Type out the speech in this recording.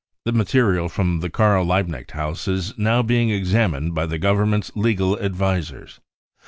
The material from the Karl Liebknecht house is now being examined by the Government's legal advisers.